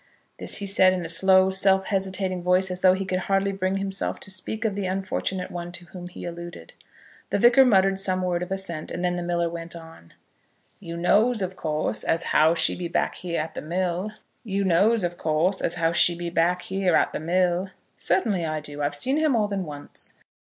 This he said in a slow, half hesitating voice, as though he could hardly bring himself to speak of the unfortunate one to whom he alluded. The Vicar muttered some word of assent, and then the miller went on. "You knows, of course, as how she be back here at the mill?" "Certainly I do. I've seen her more than once."